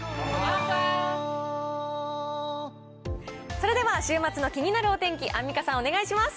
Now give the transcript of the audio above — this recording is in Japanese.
それでは週末の気になるお天気、アンミカさん、お願いします